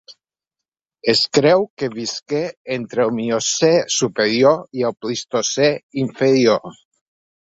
Es creu que visqué entre el Miocè superior i el Plistocè inferior.